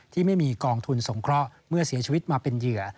ที่ไม่มีกองทุนสงเคราะห์เมื่อเสียชีวิตมาเป็นเหยื่อ